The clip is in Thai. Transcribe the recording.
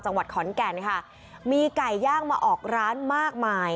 จังหวัดขอนแก่นค่ะมีไก่ย่างมาออกร้านมากมาย